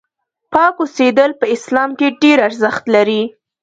پاک اوسېدل په اسلام کې ډېر ارزښت لري.